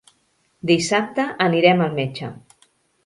Dissabte anirem al metge.